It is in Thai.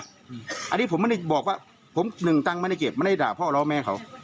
อันนี้ผมไม่ได้บอกว่าผมหนึ่งตังค์ไม่ได้เก็บไม่ได้ด่าพ่อล้อแม่เขา